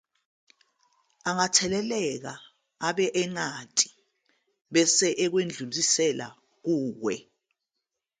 Angatheleleka ebe engazi bese ekwedlulisela kuwe.